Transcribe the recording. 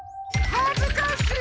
はずかしい！